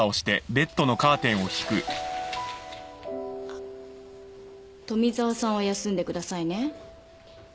あっ富澤さんは休んでくださいね。